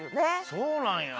そうなんや。